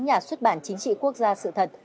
nhà xuất bản chính trị quốc gia sự thật